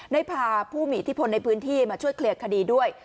ได้พาผู้มีอิทธิพลในพื้นที่มาช่วยเคลียร์คดีด้วย